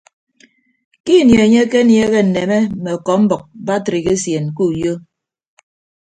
Ke ini enye akenieehe nneme mme ọkọmbʌk batrik esien ke uyo.